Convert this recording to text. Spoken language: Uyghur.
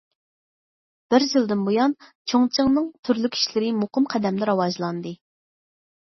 بىر يىلدىن بۇيان، چۇڭچىڭنىڭ تۈرلۈك ئىشلىرى مۇقىم قەدەمدە راۋاجلاندى.